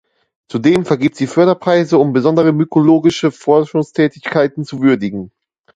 Zudem vergibt sie Förderpreise, um besondere mykologische Forschungstätigkeiten zu würdigen.